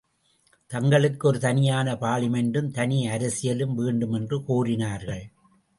தங்களுக்கு ஒரு தனியான பாலிமெண்டும் தனி அரசியலும் வேண்டுமென்று கோரினார்கள்.